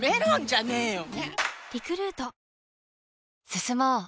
進もう。